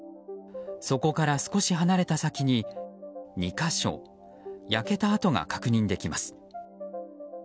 そこから少し離れた先に２か所焼けた跡が確認できます。